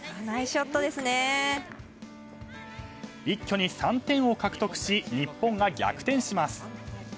一挙に３点を獲得し日本が逆転します。